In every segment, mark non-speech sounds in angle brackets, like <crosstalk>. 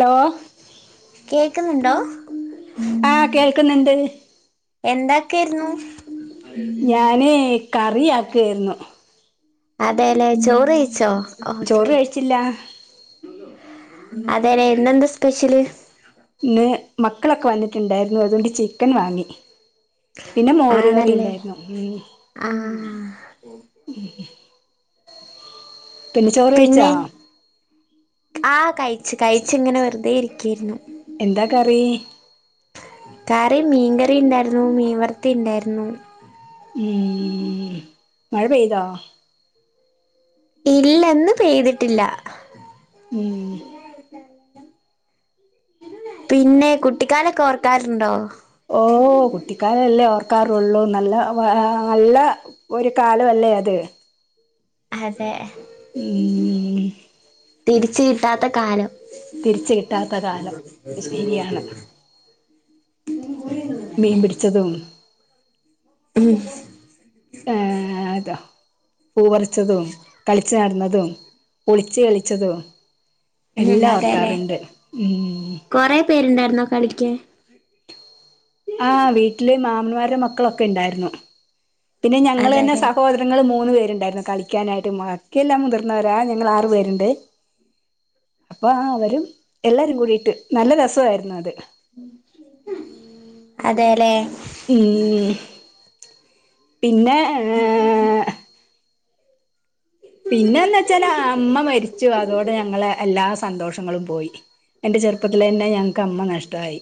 Hello കേക്കുന്നുണ്ടോ,? ആഹ കേൾക്കുന്നുണ്ട്. എന്താക്കായിരുന്നു. ഞാന് കറി ആക്കായിരുന്നു. അതെല്ലേ ചോറ്ച്ചോ? ചോറ് കഴിച്ചില്ല അതേലോ ഇന്ന്എന്താ സ്പെഷ്യല്. ഇന്ന് മക്കളൊക്കെ വന്നിട്ടുണ്ടായിരുന്നു. അതുകൊണ്ട് ചിക്കൻ വാങ്ങി. പിന്നെ മോര് കറി ആണല്ലേ ഇണ്ടായിരുന്നു. ആഹ് ഉം <inaudible> ചോറ് പിന്നെ കഴിച്ചാ ആഹ് കയ്ച്ച് കയ്ച്ച് ഇങ്ങനെ വെറുതെ ഇരിക്കായിരുന്നു. എന്താ കറി. കറി മീൻകറി ഇണ്ടായിരുന്നു. മീൻവറുത്തെ ഇണ്ടായിരുന്നു. ഉം മഴ പെയ്തോ? ഇല്ല ഇന്ന് പെയ്തിട്ടില്ല. ഉം പിന്നെ കുട്ടിക്കാലൊക്കെ ഓർക്കാറുണ്ടോ? ഓഹ് കുട്ടിക്കാലല്ലേ ഓർക്കാറൊള്ളു. നല്ല വ നല്ല ഒരു കാലം അല്ലേ അത്. അതെ ഉം തിരിച്ച് കിട്ടാത്ത കാലം. <inaudible> തിരിച്ച് കിട്ടാത്ത കാലം ശരിയാണ് മീൻ പിടിച്ചതും. ഉം ഏഹ് അതോ പൂപറിച്ചതും, കളിച്ചു നടന്നതും. ഒളിച്ച് കളിച്ചതും, എല്ലാം ഓർക്കാറ്ണ്ട്. ഉം കൊറേ പേരുണ്ടായിരുന്നോ കളിക്ക്. ആഹ് വീട്ടില് മാമന്മാരുടെ മക്കളൊക്കെ ഉണ്ടായിരുന്നു. പിന്നെ ഞങ്ങള് തന്നെ അതേല്ലേ സഹോദ ഞങ്ങള് മൂന്ന് പേരുണ്ടായിരുന്നു. കളിക്കാനായിട്ട്. ബാക്കിയെല്ലാം മുതിർന്നവരാ ഞങ്ങൾ ആറ് പേരുണ്ട്. അപ്പൊ അവരും എല്ലാരും കൂടിയിട്ട്. നല്ല രസം ആയിരുന്നു അത്. അതെല്ലേ ഉം പിന്നെ <inaudible> ഏഹ് പിന്നെന്ന് വെച്ചാല് അമ്മ മരിച്ചു അതോടെ ഞങ്ങള് എല്ലാ സന്തോഷങ്ങളും പോയി എന്റെ ചെറുപ്പത്തില് തന്നെ ഞങ്ങക്ക് അമ്മ നഷ്ടം ആയി.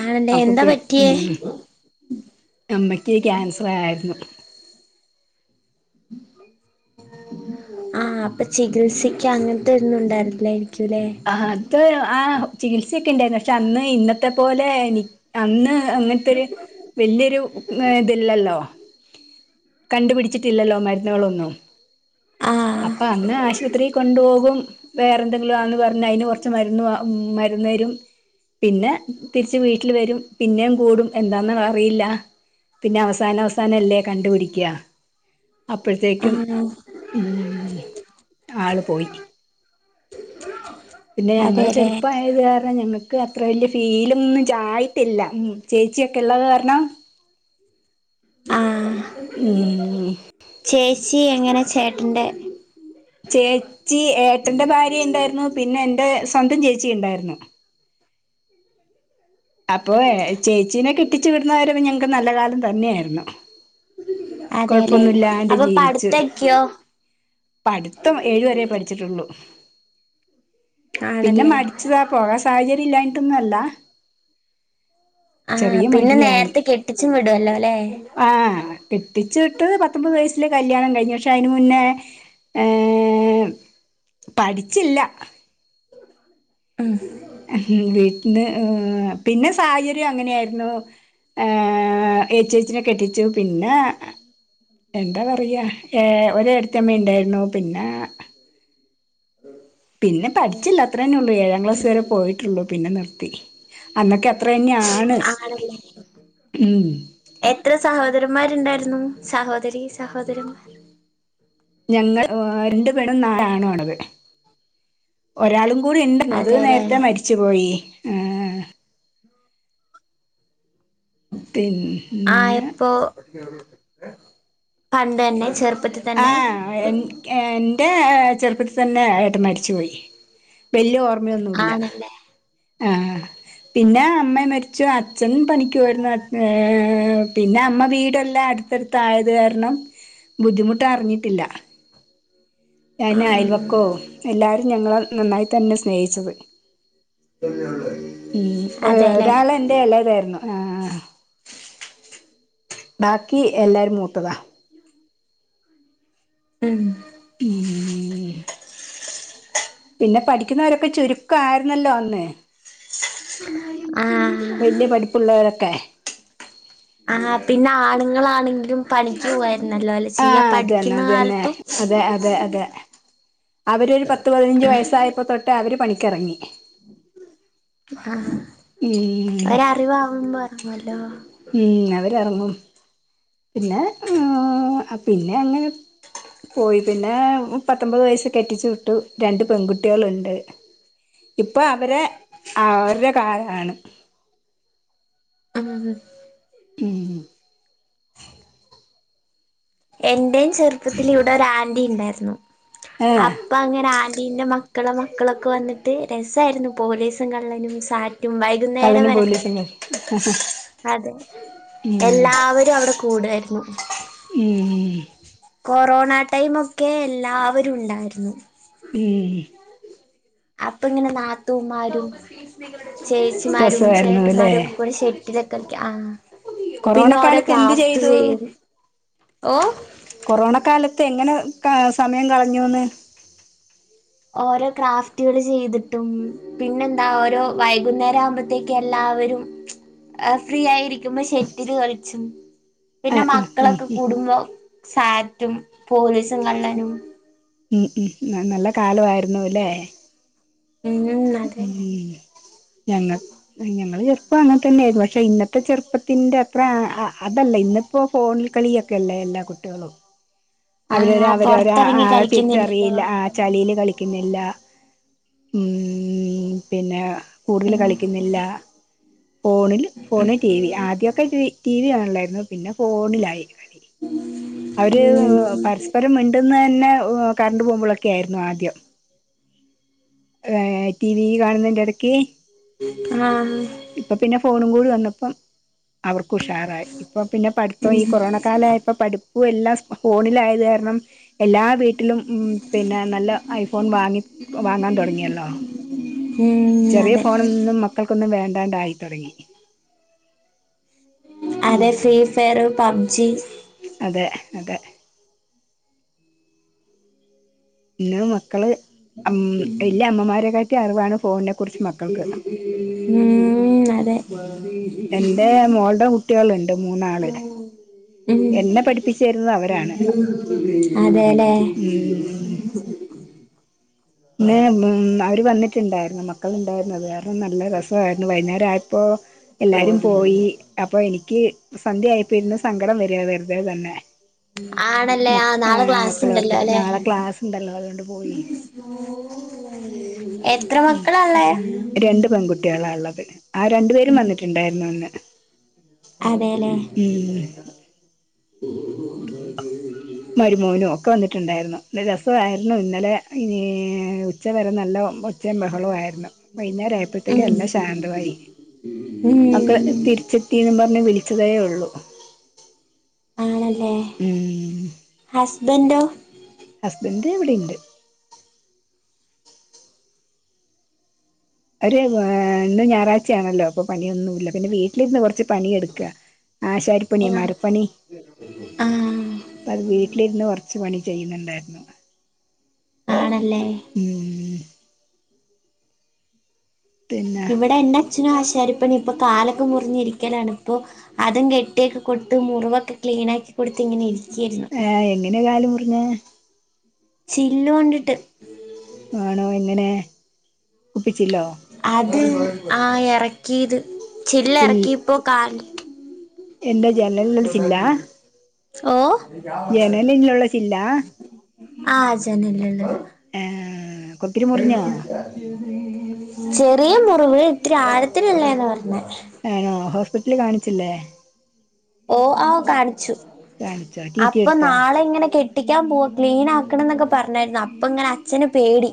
ആണല്ലേ എന്താ അപ്പൊപ്പിൻ ഉം പറ്റിയേ അമ്മക്ക് ക്യാൻസർ ആയിരുന്നു. <inaudible> ആഹ് അപ്പൊ ചികിൽസിക്കാൻ അങ്ങനത്തെ ഒന്നും ഉണ്ടായിരുന്നില്ലായിരിക്കും. ല്ലേ ആഹ് അത് ആഹ് ചികിത്സ ഒക്കെ ഉണ്ടായിരുന്നു പക്ഷെ അന്ന് ഇന്നത്തെ പോലെ എനി അന്ന് അങ്ങനത്തെരു വല്യൊരു ഇത് ഇല്ലല്ലോ കണ്ടുപിടിച്ചിട്ടില്ലല്ലോ മരുന്നുകളൊന്നും. ആഹ് അപ്പൊ അന്ന് ആശുപത്രി കൊണ്ടുപോകും. വേറെന്തെങ്കിലും ആന്ന് പറ പിന്നെ അയിന് കുറച്ച് മരുന്ന് വാ മരുന്ന് തരും. പിന്നെ തിരിച്ച് വീട്ടില് വരും പിന്നേം കൂടും എന്താന്ന് അറിയില്ല പിന്നെ അവസാനം അവസാനം അല്ലേ കണ്ടുപിടിക്കുക അപ്പഴത്തേക്കും ആഹ് ഉം ആള് പോയി <unintelligible> പിന്നെ ഞങ്ങള് അതെല്ലേ ചെറുപ്പം ആയത് കാരണം ഞങ്ങ ക്ക് അത്ര വല്യ ഫീല് ഒന്നും ആയിട്ടില്ല ഉം ചേച്ചിയൊക്കെ ഉള്ള കാരണം ആഹ് ഉം ചേച്ചി എങ്ങനെ ചേട്ടന്റെ ചേച്ചി ഏട്ടന്റെ ഭാര്യ ഇണ്ടായിരുന്നു പിന്നെ എന്റെ സ്വന്തം ചേച്ചി ഇണ്ടായിരുന്നു അപ്പോ ചേച്ചീനെ കെട്ടിച്ചു വിടുന്നവരെ ഞങ്ങക്ക് നല്ല കാലം തന്നെയായിരുന്നു അതെല്ലേ കുഴപ്പൊന്നുമില്ലാണ്ട് അപ്പൊ ജീവിച്ച് പടുത്തം ഒക്കെയോ പഠിത്തം ഏഴു വരേ പഠിച്ചിട്ടുള്ളൂ പിന്നെ ആണല്ലേ മടി ച്ചതാ പോകാൻ സാഹചര്യം ഇല്ലാഞ്ഞിട്ടൊന്നും അല്ല ആഹ് ചെറിയ പിന്നെ നേരത്തെ കെട്ടിച്ചും വിടുവല്ലോ അല്ലേ <unintelligible> കെട്ടിച്ച് വിട്ട് പത്തൊമ്പത് വയസ്സില് കല്ല്യാണം കഴിഞ്ഞു പക്ഷെ അതിനു മുന്നേ പഠിച്ചില്ല ഉം ഉം ഏ.... പിന്നെ സാഹചര്യം അങ്ങിനെയായിരുന്നു ഏ ചേച്ചിനെ കെട്ടിച്ചു പിന്നെ എന്താ പറയാ ഒരു ഏട്ടത്തിയമ്മാ ഉണ്ടായിരുന്നു പിന്നെ <unintelligible> പിന്നെ പഠിച്ചില്ല അത്ര തന്നെ ഉള്ളൂ ഏഴാം ക്ലാസ് വരെ പോയിട്ടുള്ളു പിന്നെ നിർത്തി അന്നൊക്കെ അത്രേം തന്നെയാണ് ആണല്ലേ ഉം എത്ര സഹോദരൻ മാരുഉണ്ടായിരുന്നു സഹോദരി സഹോദരന്മാർ ഞങ്ങൾ ഉം രണ്ട് പെണ്ണും നാല് ആണുവാ ളളത് ഒരാളും കൂടി ഉണ്ടായിരുന്നു അത് അതെല്ലേ നേരത്തെ മരിച്ച് പോയി ആഹ് ആ പിന്നെ എപ്പൊ പണ്ട് തന്നെ ചെറുപ്പത്തിൽ ആ തന്നെ എൻ്റെ ചെറുപ്പത്തിൽ തന്നെഏട്ടൻ മരിച്ച് പോയി വലിയ ഓർമയൊന്നുമില്ല ആണല്ലേ ആഹ് പിന്നെ അമ്മ മരിച്ചു അച്ഛൻ പണിക്കുപോയിരുന്നു പിന്നെ അമ്മ വീടെല്ലാം അടുത്ത് അടുത്ത് അടുത്തായത് കാരണം ബുദ്ധിമുട്ട് അറിഞ്ഞിട്ടില്ല പിന്നെ ആഹ് അയൽവക്കും എല്ലാരും ഞങ്ങളെനന്നായി തന്നെ സ്‌നേഹിച്ചത് ഉം അതെല്ലേ ഒരാൾ എന്റെ ഇളയതായിരുന്നു ആ ബാക്കി എല്ലാവരും മൂത്തത്താ ഉം ഉം പിന്നെ പഠിക്കുന്നോരൊക്കെ ചുരുക്ക ആയിരുന്നല്ലോ അന്ന് ആ പിള്ളേരൊക്കെ ആഹ് പിന്നെ ആണുങ്ങളാണെങ്കിലും പണിക്ക് പോവായിരുന്നല്ലോ ആ ചെയ്യാ അതെന്നെ പഠിക്കുന്ന അതന്നെ കാലത്തും അതെ അതെ അതെ അവർ ഒരു പത്ത് പതിനഞ്ച് വയസ്സായപ്പോ തൊട്ടേഅവര് പണിക്കിറങ്ങി ഉം <unintelligible> ഉം അവർ ഇറങ്ങും പിന്നെ ഹ് പിന്നെ അങ്ങനെ പോയി പിന്നെ പത്തൊമ്പത് വയസ്സിൽ കെട്ടിച്ച് വിട്ടു രണ്ട് പെൺകുട്ടികൾഉണ്ട് ഇപ്പോ അവരെ അവരടെ കാലമാണ് ഉം ഉം ഹ് എൻ്റെയും ചെറുപ്പത്തിൽ ഇവിടൊരാ ൻ്റി ഉണ്ടായിരുന്നു. അ ഏഹ് അപ്പം അങ്ങനെ ആൻ്റിൻ്റെ മക്കളെ മക്കളൊക്കെ വന്നിട്ട് രസായിരുന്നു പോലീസും കള്ളനും സാറ്റും വൈ കള്ളനും പോലീസ് കളി <inaudible> അതെ ഉം എല്ലാവരും അവിടെ കൂടായിരുന്നു ഉം കൊറോണ ടൈംമൊക്കെ എല്ലാവരും ഇണ്ടായിരുന്നു. ഹ്മ്മ് അപ്പങ്ങനെ നാ ത്തൂന്മാരും, ചേച്ചിമാരും, രസമായിരുന്നു അല്ലേ ചേട്ടന്മാരും ഒക്കെ പോയി ഷെഡിലളിക്ക ആഹ് കൊറോണ പിന്നെ ഓരോ കാലത്ത് എന്ത് ക്രാഫ്റ്റ് ചെയ്തു ചെയ്യല്, ഓഹ് കൊറോണ കാലത്ത് എങ്ങനെ ക സമയം കളഞ്ഞൂന് ഓരോ ക്രാഫ്റ്റുകള് ചെയ്തിട്ടും പിന്നെന്താ ഒര് വൈകുന്നേരവുമ്പത്തേക്കും എല്ലാവരും ഇരിക്കുമ്പോൾ ഷെട്ടില് കളിച്ചും പിന്നെ ആഹ് ആഹ് ഉം മക്കളൊക്കെ കൂടുമ്പോ സാറ്റും പോലീസും കള്ളനും ഹ്മ്മ്, ഹ്മ്മ്, ഹ്മ്മ് നല്ല കാലവായിരുന്നുല്ലേ ഉം അതെ ഹ്മ്മ് ഞങ്ങക്ക് ഞങ്ങളെ ചെറുപ്പം അങ്ങനെ തന്നെയായിരുന്നു പക്ഷെ ഇന്നത്തെ ചെറുപ്പത്തിന്റെ അത്ര അ അതല്ല ഇന്ന ഇപ്പോൾ ഫോണിൽ കളിയൊക്കെ അല്ലേ എല്ലാ കുട്ടിയളും അവരവരെ ആഹ് അവരവരെ ആ പൊറത്തിറങ്ങി ആഹ് കളിക്കുന്നില്ലല്ലോ തിരിച്ചറിയില്ല ആ ചലിയില് കളിക്കുന്നില്ല ഹ്മ്മ് പിന്നെ പൂളില് ഉം കളിക്കുന്നില്ല ഫോണില് ഫോണ്, ടി. വി ആദ്യയൊക്കെ ടി ടി. വി കാണലായിരുന്നു പിന്നെ ഫോണിലായി കളി അവര് ഉം പരസ്പരം മിണ്ടുന്നന്നെ ആഹ് കറണ്ട് പോവുമ്പോഴൊക്കെ ആയിരുന്നു ആദ്യം ഏഹ് ടി വി കാണുന്നതിന്റെ എടയ്ക്ക് ആഹ് ഇപ്പം പിന്നെ ഫോണും കൂടി വന്നപ്പം അവർക്ക് ഉഷാറായി. ഇപ്പ പിന്നെ പഠിത്തം ഈ ഉം കൊറോണ കാലായപ്പോ പഠി ഇപ്പോ എല്ലാം ഫോണിലായത് കാരണം എല്ലാ വീട്ടിലും ഹ്മ്മ് പിന്നെ നല്ല ഐഫോൺ വാങ്ങി വാങ്ങാൻ തൊടങ്ങിയല്ലോ <inaudible> ചെറിയ അതെ ഫോണൊന്നും മക്കൾക്കൊന്നും വേണ്ടാതായി തൊടങ്ങി അതെ ഫ്രീ ഫയറ് പബ്ജി അതെ അതെ പിന്ന മക്കള് ഹ്മ്മ് വല്യയ അമ്മമാരെക്കാട്ടി അറിവാണ് ഫോണിനെ കുറിച്ച് മക്കൾക്ക് ഹ്മ്മ് അതെ <inaudible> എന്റെ മോളുടെ കുട്ടികളുണ്ട് മൂന്നാള് എന്നെ പഠിപ്പിച്ചു തരുന്നത് അവരാണ് ഹ്മ്മ് അതെലെ ഹ്മ്മ് പിന്ന ഹ്മ്മ് അവര് വന്നിട്ടുണ്ടായിരുന്നു മക്കളുണ്ടായിരുന്നുഅതുവരെ നല്ല രസായിരുന്നു വൈകുന്നേരാപ്പോ എല്ലാരും പോയി അപ്പൊ എനിക്ക് സന്ധ്യ ആയപ്പോ ഇരുന്ന് സങ്കടം വരാ വെറുതെ തന്നെ ആണല്ലേ മ ആ നാളെ ഏഹ് ക്ലാസ് മക്കള ഉണ്ടല്ലോ ഓർത്തിട്ട് അല്ലെ നാളെ ക്ലാസ്ണ്ടല്ലോ അതോണ്ട് പോയി. ഹ്മ്മ് ഹ്മ്മ് രണ്ട് പെൺകുട്ടികളാ ഇള്ളത് ആ രണ്ടു പേരും വന്നിട്ടുണ്ടായിരുന്നു അന്ന് അതെലേ ഹ്മ്മ് <inaudible> മരുമോനും ഒക്കെ വന്നിട്ടുണ്ടായിരുന്നു നല്ല രസവായിരുന്നു ഇന്നലെ ഈ ഉച്ചവരെ നല്ല വമ്പം ഒച്ചേ ബഹളവു ആയിരുന്നു. വൈകുന്നേരം ആഴപ്പോത്തേക്കും ഉം എല്ലാം ശാന്തളായി. മക്കള് ഉം തിരിച്ചെത്തിന്നും പറഞ്ഞ് വിളിച്ചതേ ഒള്ളൂ ഏഹ്, ഉം ഹസ്ബന്റൊ ഹസ്ബന്റ് ഇവിടെണ്ട്. അവര് ഏഹ് ഇന്ന് ഞായറാഴ്ചയാണല്ലോ അപ്പൊ പണിയൊന്നുല്ല പിന്നെ വീട്ടിലിരുന്ന് കൊറച്ച് പണി എടുക്ക ആശാരി പണി മരപ്പണി ആ അപ്പ അത് വീട്ടിലിരുന്ന് കൊറച്ച് പണി ചെയ്യുന്നുണ്ടായിരുന്നു ആണല്ലേ ഉം പിന്നെ ഇവിടെ എന്റെ അച്ഛനും ആശാരിപ്പണി ഇപ്പൊ കാലൊക്കെ മുറിഞ്ഞിരിക്കലാണ് ഇപ്പൊ അതും കെട്ടിയൊക്കെ കൊടുത്ത് മുറിവൊക്കെ ക്ലീൻ ആക്കി കൊടുത്ത് ഇങ്ങനെ ഇരിക്കായിരുന്നു ഏഹ് എങ്ങനെയാ കാൽ മുറിഞ്ഞെ ചില്ല് കൊണ്ടിട്ട് ആണോ എങ്ങനെ കുപ്പിച്ചില്ലോ അത് ആഹ് എറക്കീത് ചില്ല് എറക്കീപ്പോ കാല് എന്താ ജനൽനുള്ള ചില്ലാ ഓഹ് ജനലിലുള്ള ചില്ലാ ആഹ് ജനൽനുള്ളത് ഏഹ് കൊത്തിരി മുറിഞ്ഞോ ചെറിയ മുറിവ് ഇത്തിരി ആഴത്തിനില്ലേന്ന പറഞ്ഞെ ആണോ ഹോസ്പിറ്റല് കാണിച്ചില്ലേ ഓഹ് ആഹ് കാണിച്ചു കാണിച്ചോ ടി ടി അപ്പൊ എടുത്തോ നാളെയിങ്ങനെ കെ ട്ടിക്കാൻ പോവാ ക്ലീനാക്കണന്നൊക്കെ പറഞ്ഞായിരുന്നു അപ്പങ്ങനെ അച്ഛന്പേടി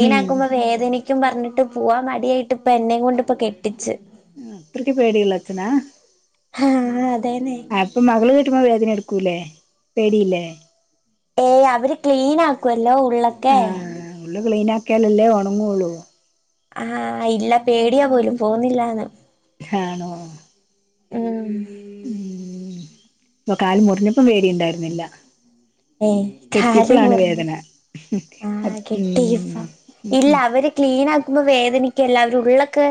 ഉം വേദനിക്കും പറഞ്ഞിട്ട് പോവാൻ മടിയായിട്ടിപ്പൊ എന്നെ കൊണ്ടിപ്പം കെട്ടിച്ച് അത്രക്ക് പേടിയുള്ളച്ഛനാ ഹാഹ് അതേന്നെ അപ്പൊ മകളു കെട്ടുമ്പോ വേദനയെടുക്കൂലേ പേടിയില്ലേ ഏയ് അവര് ക്ലീനാക്കുവല്ലോ ഉള്ളൊക്കെ ആഹ് ഉള്ളു ക്ലീനാക്കിയാലല്ലേ ഒണങ്ങുള്ളൂ ആഹ് ഇല്ല പേടിയാ പോലും പോകുന്നില്ലാന്ന് ആണോ ആഹ് ഉം ഇപ്പൊ കാലു മുറിഞ്ഞപ്പം പേടിയുണ്ടായിരുന്നില്ല. ഏഹ് കാലു കെട്ടിയപ്പോഴാണ് മുറിഞ്ഞു വേദന ആഹ് ഉം കെട്ടിയിപ്പം ഉം ഇല്ല ഉം അവര് ക്ലീനാക്കുമ്പോൾ വേദനിക്കയില്ല അവര് ഉള്ളൊക്കെ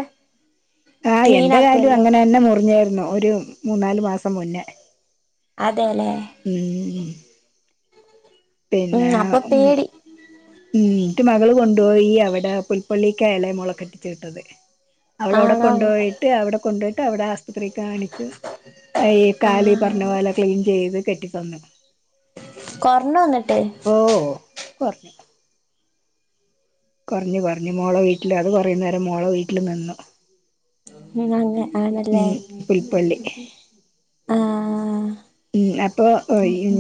ആഹ് ക്ലീൻ എന്റെ കാലും ആക്കുവല്ലോ അങ്ങനെ തന്നെ മുറിഞ്ഞാരുന്നു ഒരു മൂന്നാലുമാസം മുന്നേ അതേല്ലേ ഉം ഉം ഉം പിന്നെ അപ്പൊ ഉം പേടി ഉം ന്നിട്ട് മകളു കൊണ്ടോയി ഈ അവിടെ പുൽപ്പള്ളിക്കാ എളയ മോളെ കെട്ടിച്ചുവിട്ടത് അവളവിടെ ആണോ കൊണ്ടുപോയിട്ട് അവിടെ കൊണ്ടുപോയിട്ട് അവിടെ ആസ്പത്രിയി കാണി ക്കും ഈ കാല് ആഹ് പറഞ്ഞപോലെ ക്ലീൻ ചെയ്തുകെട്ടി തന്നു. കൊറഞ്ഞോ ന്നിട്ട് ഓഹ് ഓഹ് കൊർഞ്ഞു കൊറഞ്ഞു കൊറഞ്ഞു മോളെ വീട്ടില് അത് കൊറയുനേരം മോളെ വീട്ടിൽ നിന്നു. ഉം അങ്ങെ ആണല്ലേ ഉം പുൽപ്പള്ളി ആഹ് ആഹ് ഉം അപ്പൊ ഈ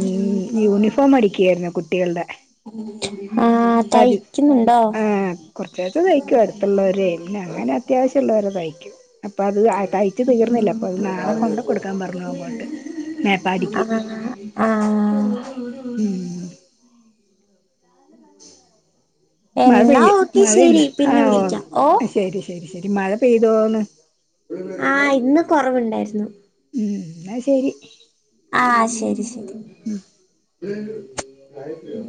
യൂണിഫോം അടിക്കയായിരുന്നു കുട്ടികളുടെ ആഹ് <unintelligible> തയ്ക്കുന്നുണ്ടോ ആഹ് കൊറച്ചു കൊറച്ചു തയ്ക്കും അടുത്തുള്ളവരെ അങ്ങനെ അത്യാവശ്യമുള്ളവരെ തയ്ക്കും അപ്പൊ അത് തയ്ച്ചു തീർന്നില്ല അപ്പൊ അത് നാളെ കൊണ്ട കൊടുക്കാൻ പറഞ്ഞു അങ്ങോട്ട് മേപ്പാടിക്ക് ആഹ് ആഹ് ഉം മഴ എന്നാ പെയ്യ് ഓക്കെ ശരി മഴന്നെ പിന്നെ ആഹ് വിളിക്കാം ഓ ഓഹ് ശരി ശരി ശരി മഴ പെയ്തോന്ന് ആഹ് ഇന്ന് കൊറവുണ്ടായിരുന്നു. ഉം ന്നാ ശരി ആഹ്.. ശരി.. ശരി ഉം ഉം..